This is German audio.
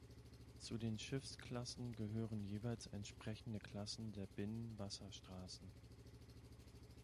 Zu den Schiffsklassen gehören jeweils entsprechende Klassen der Binnenwasserstraßen.